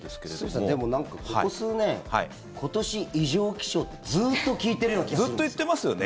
堤さん、でもなんか、ここ数年今年、異常気象ってずっと聞いてるような気がするんですけど。